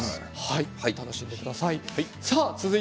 楽しんでください。